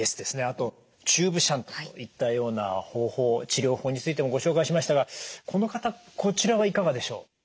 あとチューブシャントといったような方法治療法についてもご紹介しましたがこの方治療はいかがでしょう？